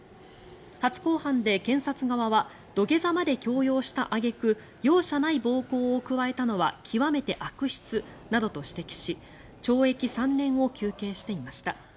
初公判で検察側は土下座まで強要した揚げ句容赦ない暴行を加えたのは極めて悪質などと指摘し懲役３年を求刑していました。